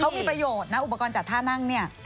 เขามีประโยชน์นะอุปกรณ์จัดท่านั่งเนี่ย